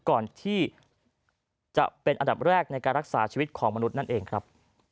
ก่อนที่จะเป็นอันดับแรกในการรักษาชีวิตของมนุษย์นั่นเองครับ